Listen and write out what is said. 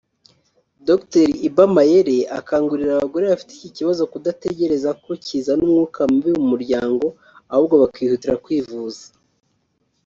Dr Iba Mayele akangurira abagore bafite iki kibazo kudategereza ko kizana umwuka mubi mu muryango ahubwo bakihutira kwivuza